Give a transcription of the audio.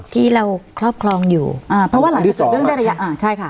ที่เราครอบครองอยู่อ่าเพราะว่าอันที่สองอ่าใช่ค่ะ